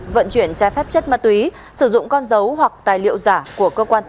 vận chuyển trai phép chất ma túy sử dụng con dấu hoặc tài liệu